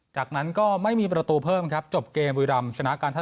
จากนั้นก็ไม่มีประตูเพิ่มครับจบเกมบุรีรำชนะการท่า